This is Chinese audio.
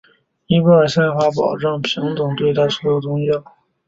尼泊尔宪法保障平等对待所有宗教。